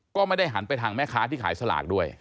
ก็ไม่ได้หันไปทางแม่ค้าที่ขายสลากด้วย